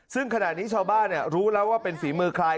ซึ่งขณะนี้ชาวบ้านรู้แล้วว่าเป็นฝีมือใคร